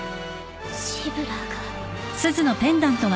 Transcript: シブラーが。